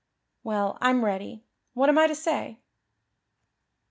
Well, I'm ready. What am I to say?"